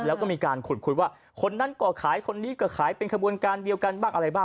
แล้วก็มีการขุดคุยว่าคนนั้นก่อขายคนนี้ก็ขายเป็นขบวนการเดียวกันบ้างอะไรบ้าง